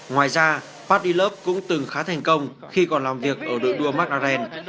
ngoài ra fadi loeb cũng từng khá thành công khi còn làm việc ở đội đua mclaren